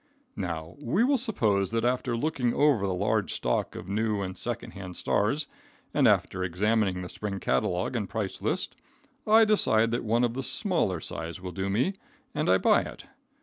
Now, we will suppose that after looking over the large stock of new and second hand stars, and after examining the spring catalogue and price list, I decide that one of the smaller size will do me, and I buy it.